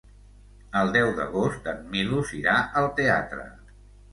El deu d'agost en Milos irà al teatre.